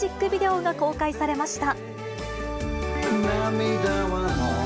ニッポンの空のミュージックビデオが公開されました。